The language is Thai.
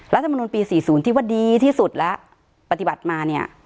รัฐมนุนปี๔๐ที่ว่าดีที่สุดและปฏิบัติมาเนี่ย